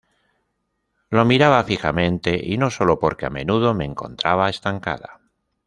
Lo miraba fijamente, y no solo porque a menudo me encontraba estancada.